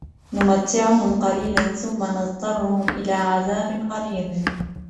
نُمَتِّعُهُمْ قَلِيلًا ثُمَّ نَضْطَرُّهُمْ إِلَى عَذَابٍ غَلِيظٍ